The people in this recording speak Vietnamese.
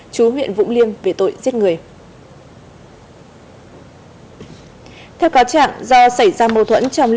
chú huyện vũng liên về tội vụ án